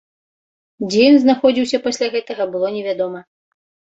Дзе ён знаходзіўся пасля гэтага, было невядома.